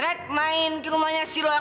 rek main di rumahnya si laura